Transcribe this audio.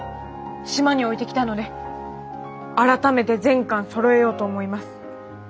島に置いてきたので改めて全巻そろえようと思います。